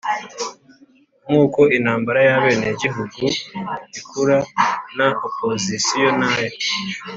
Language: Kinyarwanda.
nkuko intambara y'abenegihugu ikura, na opozisiyo nayo